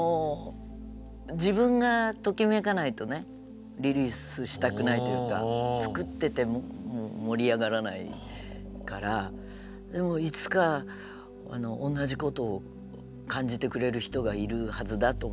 自分がときめかないとねリリースしたくないというか作ってても盛り上がらないからでもいつか同じことを感じてくれる人がいるはずだと思ってやってますよ。